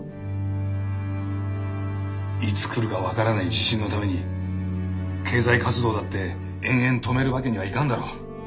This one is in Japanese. いつ来るか分からない地震のために経済活動だって延々止めるわけにはいかんだろう。